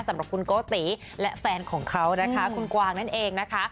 สำหรับคุณโกติและแฟนของเขานะคะคุณกวางนั่นเองนะคะ